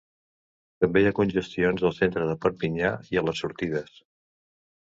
També hi ha congestions al centre de Perpinyà i a les sortides.